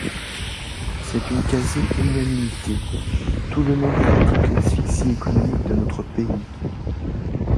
C’est une quasi-unanimité, tout le monde critique l’asphyxie économique de notre pays.